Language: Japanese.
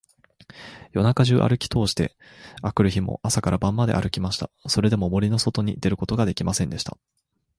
夜中じゅうあるきとおして、あくる日も朝から晩まであるきました。それでも、森のそとに出ることができませんでした。